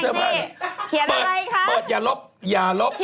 เอาหรออ่ะ